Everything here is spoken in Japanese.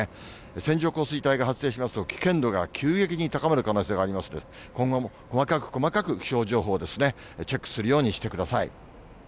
線状降水帯が発生しますと、危険度が急激に高まる可能性がありますので、今後は細かく細かく、気象情報をチェックするようにしてください。